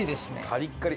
カリッカリ！